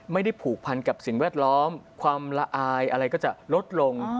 ไม่ได้ผูกพันกับสิ่งแวดล้อมความละอายอะไรก็จะลดลง